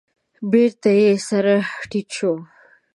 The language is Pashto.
بېرته يې سر تيټ شو.